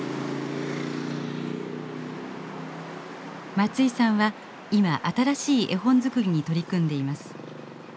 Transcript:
松居さんは今新しい絵本作りに取り組んでいます。